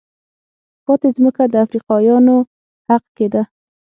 پاتې ځمکه د افریقایانو حق کېده.